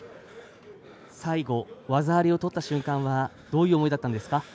最後、技ありをとった瞬間はどういう思いだったんですか？